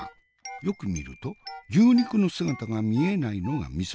よく見ると牛肉の姿が見えないのがミソ。